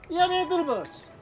ya betul bos